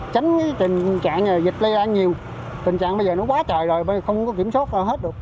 tránh tình trạng dịch lây lan nhiều tình trạng bây giờ nó quá trời rồi bây giờ không có kiểm soát hết được